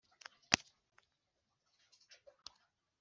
ryera cyane ry’ikimenyetso